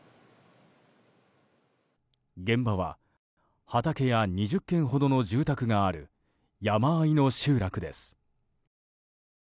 現場は畑や２０軒ほどの住宅がある山あいの集落です。